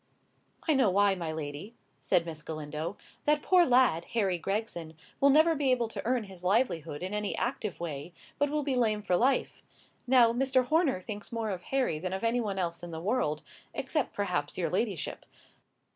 "I know why, my lady," said Miss Galindo. "That poor lad, Harry Gregson, will never be able to earn his livelihood in any active way, but will be lame for life. Now, Mr. Horner thinks more of Harry than of any one else in the world,—except, perhaps, your ladyship."